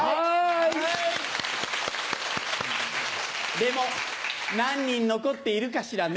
でも何人残っているかしらね。